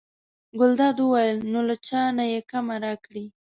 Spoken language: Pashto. ګلداد وویل: نو له چا نه یې کمه راکړې.